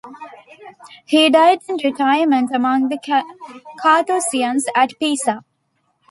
He died in retirement among the Carthusians at Pisa.